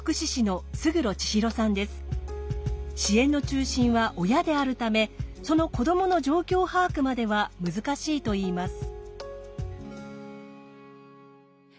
支援の中心は親であるためその子どもの状況把握までは難しいといいます。